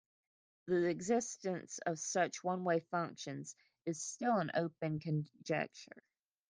The existence of such one-way functions is still an open conjecture.